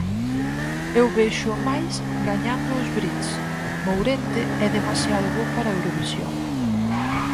Eu véxoo máis gañando os Brits, Mourente é demasiado bo para Eurovisión.